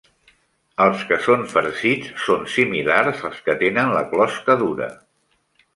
Els que són farcits són similars als que tenen la closca dura.